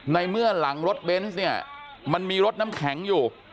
ในเมื่อหลังรถเบนส์เนี่ยมันมีรถน้ำแข็งอยู่